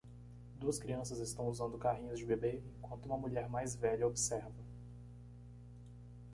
Duas crianças estão usando carrinhos de bebê enquanto uma mulher mais velha observa.